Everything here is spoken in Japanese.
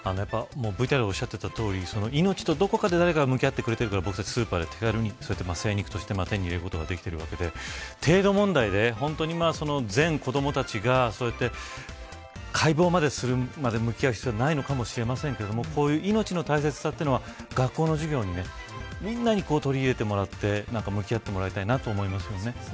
ＶＴＲでおっしゃっていたとおり命と誰かがどこかで向き合っているからスーパーで手軽に精肉として手に入れられているわけで程度問題で、全子どもたちが解剖までするまで向き合う必要ないのかもしれないけど命の大切さというのが学校の授業に皆に取り入れてもらって向き合ってもらいたいなと思いますね。